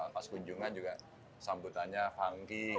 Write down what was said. pas kunjungan juga sambutannya funky